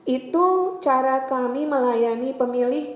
itu cara kami melayani pemilih